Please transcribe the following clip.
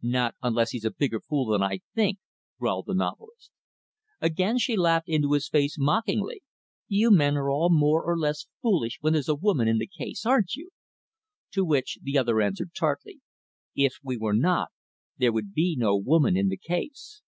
"Not unless he's a bigger fool than I think," growled the novelist. Again, she laughed into his face, mockingly. "You men are all more or less foolish when there's a woman in the case, aren't you?" To which, the other answered tartly, "If we were not, there would be no woman in the case."